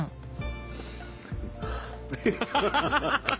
ハハハハ！